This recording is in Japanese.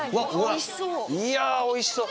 いやおいしそう。